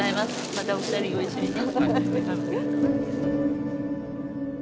またお二人ご一緒にね。